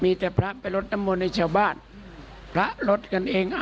มีแต่พร้าพไปลดน้ำมนตร์ในชาวบ้านพระพรับลดกันเอง